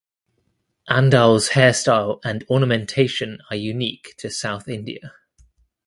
Andal's hairstyle and ornamentation are unique to south India.